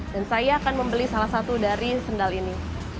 dan saya akan membeli salah satu dari sendal ini